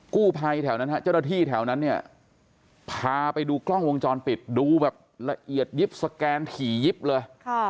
กู้ภัยแถวนั้นฮะเจ้าหน้าที่แถวนั้นเนี่ยพาไปดูกล้องวงจรปิดดูแบบละเอียดยิบสแกนถี่ยิบเลย